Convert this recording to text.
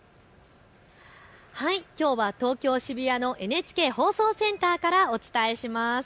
きょうは東京渋谷のＮＨＫ放送センターからお伝えします。